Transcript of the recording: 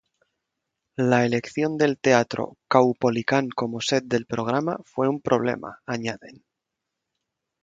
La elección del Teatro Caupolicán como set del programa fue un problema, añaden.